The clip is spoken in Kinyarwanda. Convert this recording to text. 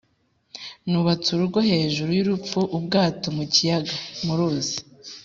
Nubatse urugo hejuru y'urupfu-Ubwato mu kiyaga (mu ruzi)